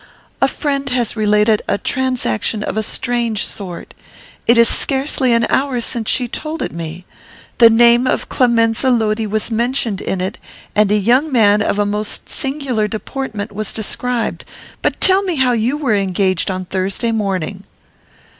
"A friend has related a transaction of a strange sort. It is scarcely an hour since she told it me. The name of Clemenza Lodi was mentioned in it, and a young man of most singular deportment was described. But tell me how you were engaged on Thursday morning."